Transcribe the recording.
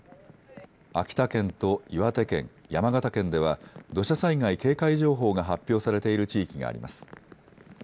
秋田県と岩手県、山形県では土砂災害警戒情報が発表されている地域があります。